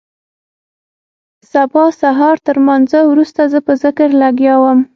سبا سهارتر لمانځه وروسته زه په ذکر لگيا وم.